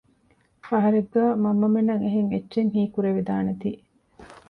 ފަހަރެއްގައި މަންމަމެންނަށް އެހެން އެއްޗެއް ހީ ކުރެވިދާނެތީ